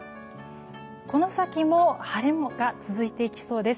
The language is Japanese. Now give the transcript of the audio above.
この先も晴れが続いていきそうです。